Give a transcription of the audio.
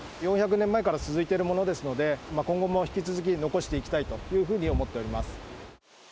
４００年前から続いているものですので、今後も引き続き残していきたいというふうに思っておりま